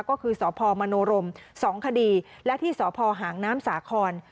ก็คือสพมโนรม๒คดีและที่สพหางน้ำสาคร